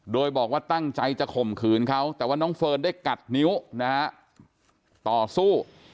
โดยบอกว่าตั้งใจจะข่มขืนเขาแต่ว่าน้องเฟิร์นได้กัดนิ้วนะฮะต่อสู้